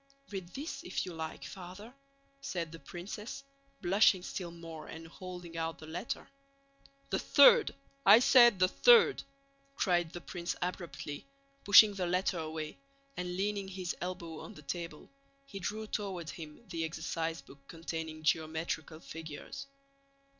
"Read this if you like, Father," said the princess, blushing still more and holding out the letter. "The third, I said the third!" cried the prince abruptly, pushing the letter away, and leaning his elbows on the table he drew toward him the exercise book containing geometrical figures.